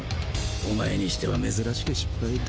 おまえにしては珍しく失敗だ。